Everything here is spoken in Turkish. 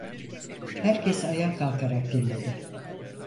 Herkes ayağa kalkarak dinledi.